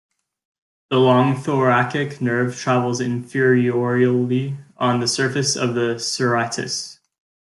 The long thoracic nerve travels inferiorly on the surface of the serratus.